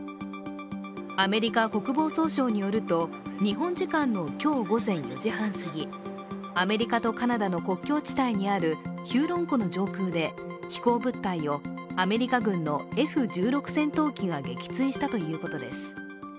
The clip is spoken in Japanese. アメリカ国防総省によると日本時間の今日午前４時半すぎ、アメリカとカナダの国境地帯にあるヒューロン湖の上空で飛行物体をアメリカ軍のＦ１６戦闘機が撃墜したということです。